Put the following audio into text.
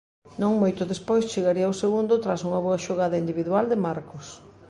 Non moito despois chegaría o segundo tras unha boa xogada individual de Marcos.